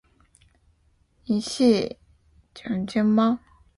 你是傻逼吗？